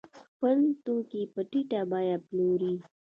خپل توکي په ټیټه بیه پلوري.